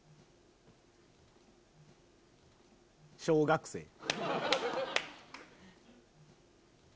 小学生！